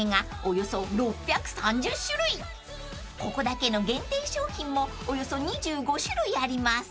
［ここだけの限定商品もおよそ２５種類あります］